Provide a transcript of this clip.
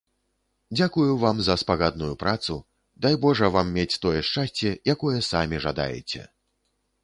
Дзякую вам за спагадную працу, дай божа вам мець тое шчасце, якое самі жадаеце.